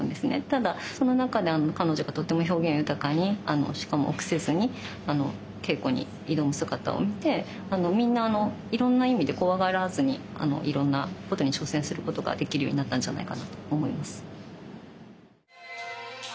ただその中で彼女がとても表現豊かにしかも臆せずに稽古に挑む姿を見てみんないろんな意味で怖がらずにいろんなことに挑戦することができるようになったんじゃないかなと思います。